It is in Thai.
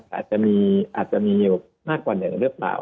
อาจจะมีอยู่มากกว่าหนึ่งหรือเปล่า